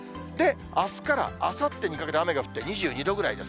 あすからあさってにかけて雨が降って、２２度ぐらいです。